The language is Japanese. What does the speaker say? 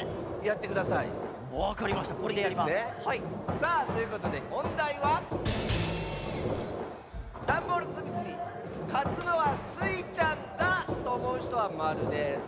さあということでもんだいはだんボールつみつみかつのはスイちゃんだとおもうひとは○です。